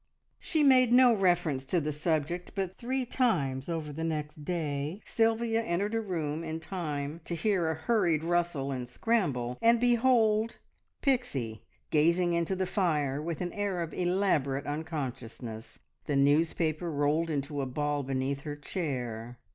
She made no reference to the subject, but three times over the next day Sylvia entered a room in time to hear a hurried rustle and scramble, and behold Pixie gazing into the fire with an air of elaborate unconsciousness the newspaper rolled into a ball beneath her chair.